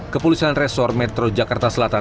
kepolisian resor metro jakarta selatan